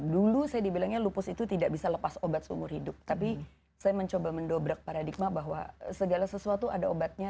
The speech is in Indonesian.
dulu saya dibilangnya lupus itu tidak bisa lepas obat seumur hidup tapi saya mencoba mendobrak paradigma bahwa segala sesuatu ada obatnya